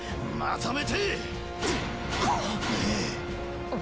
まとめて！